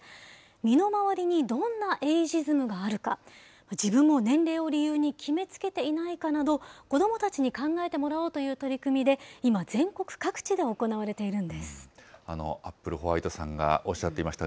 身の回りにどんなエイジズムがあるか、自分も年齢を理由に決めつけていないかなど、子どもたちに考えてもらおうという取り組みで、今、全国各地で行われているんでアップルホワイトさんがおっしゃっていました、